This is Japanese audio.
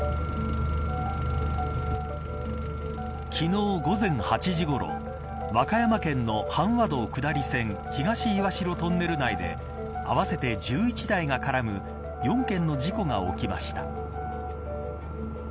昨日、午前８時ごろ和歌山県の阪和道下り線東岩代トンネル内で合わせて１１台が絡む４件の事故が起きました。